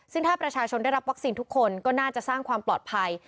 ซึ่งถ้าประชาชนได้รับวัคซีนทุกคนก็น่าจะสร้างความปลอดภัย